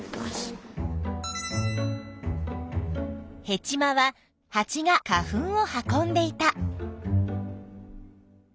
ヘチマはハチが花粉を運んでいた。